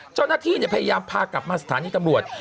เจ้าหน้าที่พยายามพากลับมาสถานีตำรวจ